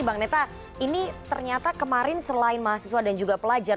bang neta ini ternyata kemarin selain mahasiswa dan juga pelajar